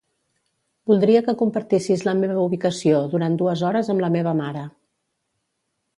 Voldria que compartissis la meva ubicació durant dues hores amb la meva mare.